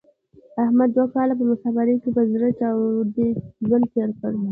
احمد دوه کاله په مسافرۍ کې په زړه چاودې ژوند تېر کړ.